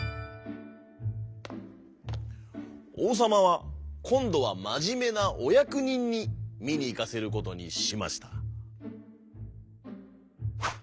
おうさまはこんどはまじめなおやくにんにみにいかせることにしました。